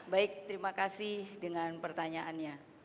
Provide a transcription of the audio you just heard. baik terima kasih dengan pertanyaannya